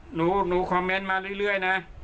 หนูคอมเมนต์มาเรื่อยนะ